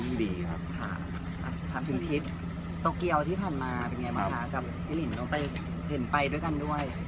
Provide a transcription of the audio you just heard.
โตเกียวที่ผ่านมามัดแล้ว